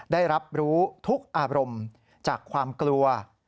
ได้รับรู้ทุกอารมณ์จากความกลัว